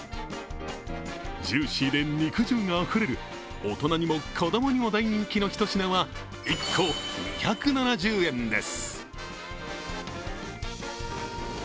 ジューシーで肉汁があふれる大人にも子供に大人気の一品は、１個２７０円です。